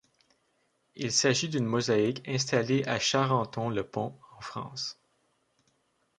Il s'agit d'une mosaïque installée à Charenton-le-Pont, en France.